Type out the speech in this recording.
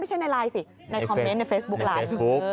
ไม่ใช่ในไลน์สิในคอมเม้นท์ในเฟซบุ๊กล้าง